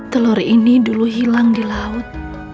telur ini dulu hilang di laut